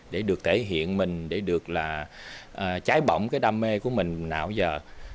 để được thể hiện mình để được là trái bỏng cái đam mê của mình nào giờ